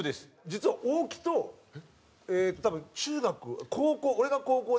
実は大木と多分中学高校俺が高校で。